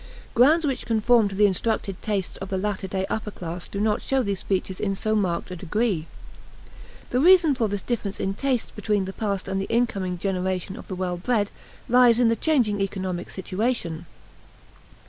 Grounds which conform to the instructed tastes of the latter day upper class do not show these features in so marked a degree. The reason for this difference in tastes between the past and the incoming generation of the well bred lies in the changing economic situation.